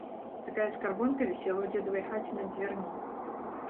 Такая скарбонка вісела ў дзедавай хаце над дзвярмі.